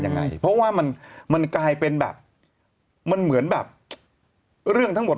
ยังไงเพราะว่ามันมันกลายเป็นแบบมันเหมือนแบบเรื่องทั้งหมด